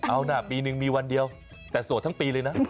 เอานะปีนึงมีวันเดียวแต่โสดทั้งปีเลยนะ